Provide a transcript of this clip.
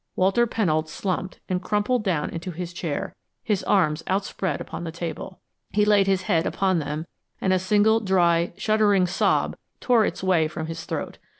Walter Pennold slumped and crumpled down into his chair, his arms outspread upon the table. He laid his head upon them, and a single dry, shuddering sob tore its way from his throat.